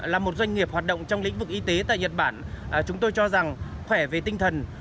là một doanh nghiệp hoạt động trong lĩnh vực y tế tại nhật bản chúng tôi cho rằng khỏe về tinh thần